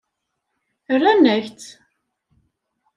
Rran-ak-tt.